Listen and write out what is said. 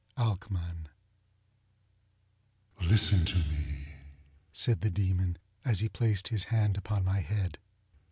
ŌĆØ ŌĆ£Listen to me, ŌĆØ said the Demon as he placed his hand upon my head.